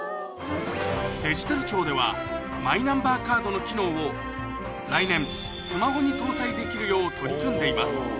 デジタル庁ではマイナンバーカードの機能を来年スマホに搭載できるよう取り組んでいます